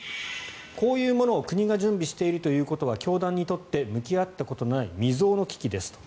こういうものを国が準備しているということは教団にとって向き合ったことのない未曽有の危機ですと。